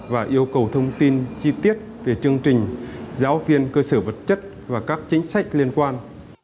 và yêu cầu thông tin chi tiết về chương trình giáo viên cơ sở vật chất và các chính sách liên quan